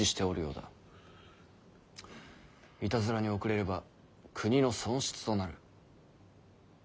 いたずらに遅れれば国の損失となる。